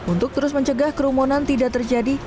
untuk terus mencegah kerumunan tidak terjadi